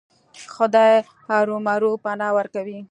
خدای ارومرو پناه ورکوي.